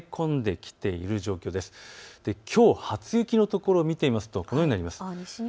きょう初雪のところを見てみますとこのようになります。